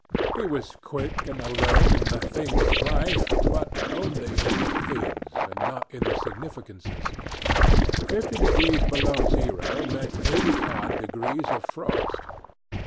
He was quick and alert in the things of life, but only in the things, and not in the significances. Fifty degrees below zero meant eighty odd degrees of frost.